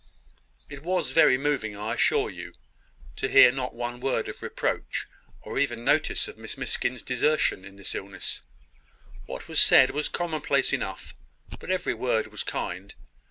"It was very moving, I assure you, to hear not one word of reproach, or even notice of Miss Miskin's desertion in this illness. What was said was common place enough; but every word was kind.